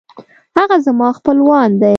هغه زما خپلوان دی